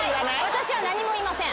私は何も言いません。